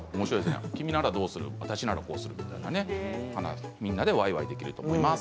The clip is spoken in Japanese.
君ならどうする、私ならこうするとみんなでわいわいできると思います。